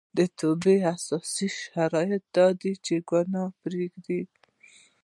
د توبې اساسي شرط دا دی چې ګناه پريږدي